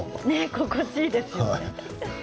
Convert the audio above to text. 心地いいですね。